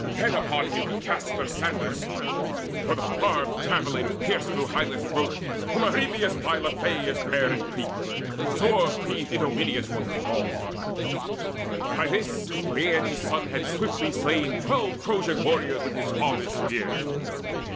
Dead upon him he cast Thersander's son, For the barbed javelin pierced through Hyllus' throat Whom Arethusa by Lethaeus bare In Crete: sore grieved Idomeneus for his fall. By this Peleides' son had swiftly slain Twelve Trojan warriors with his father's spear.